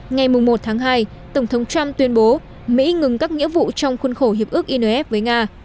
ngày một tháng hai tổng thống trump tuyên bố mỹ ngừng các nghĩa vụ trong khuôn khổ hiệp ước inf với nga